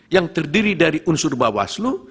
yang terdiri dari unsur bawaslu